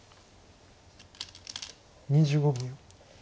２５秒。